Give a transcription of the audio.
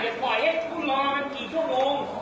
ปล่อยให้กูรอมันกี่ชั่วโมง